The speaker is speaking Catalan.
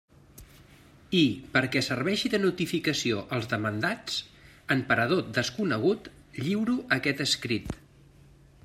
I, perquè serveixi de notificació als demandats, en parador desconegut, lliuro aquest escrit.